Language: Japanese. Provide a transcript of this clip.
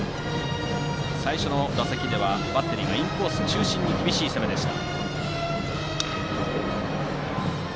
最初の打席ではバッテリーはインコース中心に厳しい攻めでした。